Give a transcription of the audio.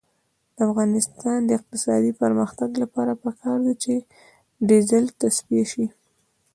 د افغانستان د اقتصادي پرمختګ لپاره پکار ده چې ډیزل تصفیه شي.